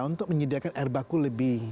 untuk menyediakan air baku lebih